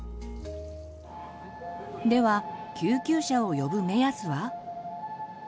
では救急車を呼ぶ目安は？